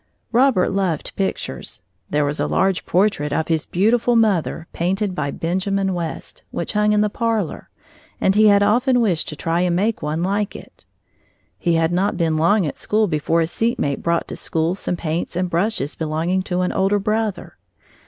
Robert loved pictures. There was a large portrait of his beautiful mother, painted by Benjamin West, which hung in the parlor, and he had often wished to try and make one like it. He had not been long at school before a seat mate brought to school some paints and brushes belonging to an older brother.